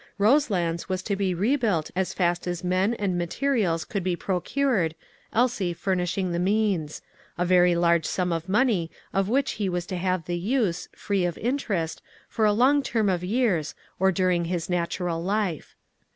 Roselands was to be rebuilt as fast as men and materials could be procured, Elsie furnishing the means a very large sum of money, of which he was to have the use, free of interest, for a long term of years, or during his natural life.